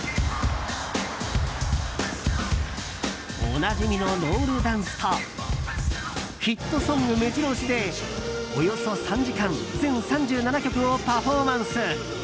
おなじみのロールダンスとヒットソング目白押しでおよそ３時間全３７曲をパフォーマンス。